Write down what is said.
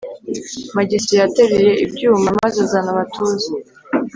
magisi yateruye ibyuma maze azana amatuza